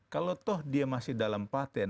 kalau toh dia masih dalam patent